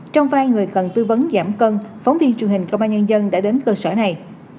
trong vai người cần tư vấn giảm cân phóng viên truyền hình công an nhân dân đã đến cơ sở này